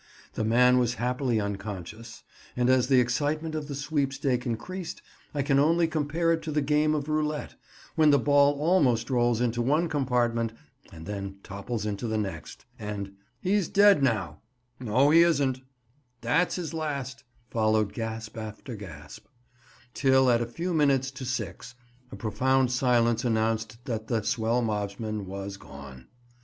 The man was happily unconscious; and as the excitement of the sweepstake increased, I can only compare it to the game of roulette, when the ball almost rolls into one compartment and then topples into the next; and "He's dead now," "No, he isn't," "That's his last," followed gasp after gasp, till at a few minutes to six a profound silence announced that the swell mobsman was gone.